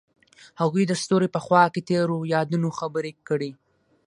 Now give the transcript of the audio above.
هغوی د ستوري په خوا کې تیرو یادونو خبرې کړې.